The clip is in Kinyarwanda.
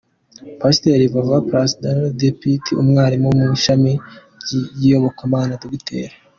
Pastor Vara Prasaad Deepati, umwarimu mu ishami ry’iyobokama, Dr.